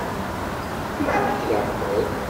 Yeffeɣ-ik leεqel?